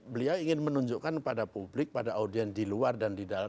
beliau ingin menunjukkan pada publik pada audien di luar dan di dalam